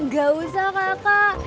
gak usah kakak